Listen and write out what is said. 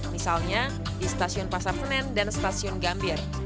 misalnya di stasiun pasar senen dan stasiun gambir